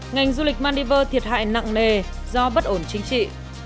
ngành du lịch maldiver thiệt hại nặng nề do bất ổn chính trị